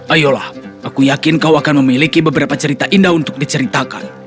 ayolah aku yakin kau akan memiliki beberapa cerita indah untuk diceritakan